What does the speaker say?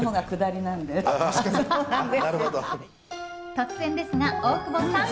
突然ですが大久保さん！